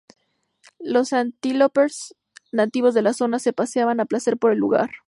Los antílopes nativos de la zona se paseaban a placer por el lugar.